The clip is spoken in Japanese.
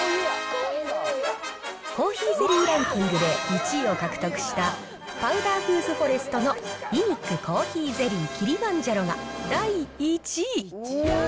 コーヒーゼリーランキングで１位を獲得した、パウダーフーズフォレストの、イニックコーヒーゼリーキリマンジャロが第１位。